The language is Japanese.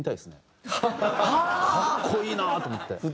格好いいなと思って。